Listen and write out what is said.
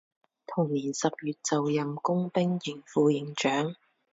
同年十月就任工兵营副营长。